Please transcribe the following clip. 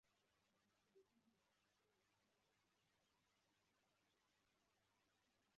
Umugabo uhagaze imbere yinyubako uko umuhanda urengana